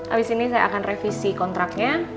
abis ini saya akan revisi kontraknya